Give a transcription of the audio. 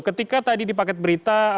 ketika tadi di paket berita